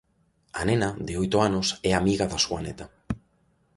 A nena, de oito anos, é amiga da súa neta.